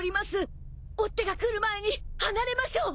追っ手が来る前に離れましょう！